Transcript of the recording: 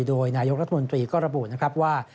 โดยนายกรัฐมนตรีก็ระบุนะครับว่า